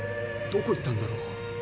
どこ行ったんだろう。